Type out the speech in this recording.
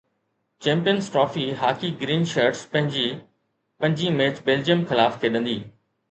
champions trophy hockey green shirts پنهنجي پنجين match Belgium خلاف کيڏندي